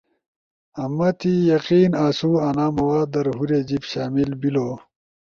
ما تی یقین اسو انا مواد در ہورے جیِب شامل بیلو۔